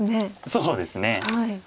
そうですね。